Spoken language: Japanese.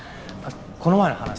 この前の話さ。